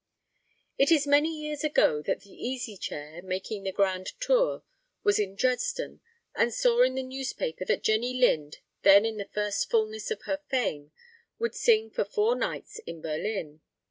It is many years ago that the Easy Chair, making the grand tour, was in Dresden, and saw in the newspaper that Jenny Lind, then in the first fulness of her fame, would sing for four nights in Berlin.